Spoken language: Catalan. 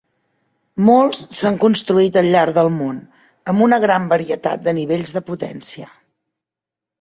Molts s'han construït al llarg del món, amb una gran varietat de nivells de potència.